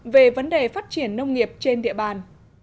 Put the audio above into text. về vấn đề phát triển nông nghiệp trên địa bàn